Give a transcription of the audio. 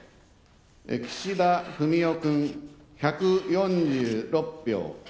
岸田文雄君、１４６票。